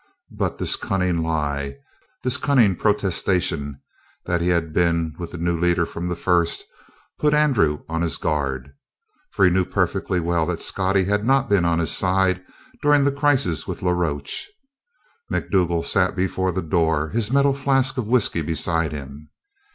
But this cunning lie this cunning protestation that he had been with the new leader from the first, put Andrew on his guard. For he knew perfectly well that Scottie had not been on his side during the crisis with La Roche. Macdougal sat before the door, his metal flask of whisky beside him.